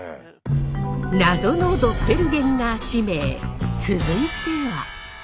謎のドッペルゲンガー地名続いては？